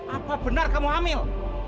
apa benar kamu hamil